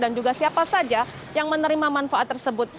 dan juga siapa saja yang menerima manfaat tersebut